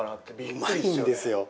うまいんですよ。